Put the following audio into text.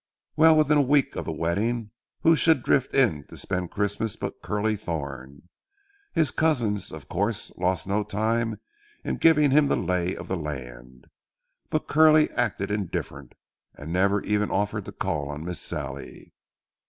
"Well, within a week of the wedding, who should drift in to spend Christmas but Curly Thorn. His cousins, of course, lost no time in giving him the lay of the land. But Curly acted indifferent, and never even offered to call on Miss Sallie.